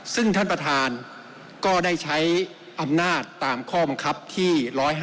ซึ่งท่านประธานก็ได้ใช้อำนาจตามข้อบังคับที่๑๕